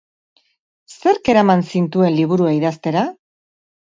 Zerk eraman zintuen liburua idaztera?